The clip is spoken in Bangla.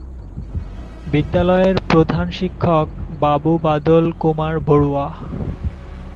বিদ্যালয়ের প্রধান শিক্ষক বাবু বাদল কুমার বড়ুয়া।